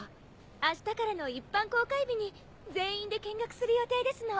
明日からの一般公開日に全員で見学する予定ですの。